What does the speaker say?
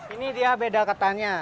ini dia beda ketannya